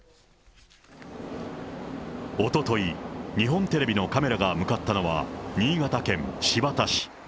おととい、日本テレビのカメラが向かったのは、新潟県新発田市。